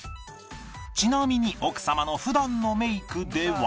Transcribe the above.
ちなみに奥様の普段のメイクでは